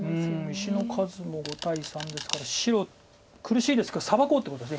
石の数も５対３ですから白苦しいですからサバこうってことです。